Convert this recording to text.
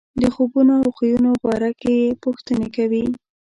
د خوبونو او خویونو باره کې یې پوښتنې کوي.